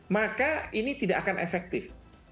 maka ini tidak akan efektif